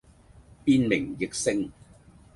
變名易姓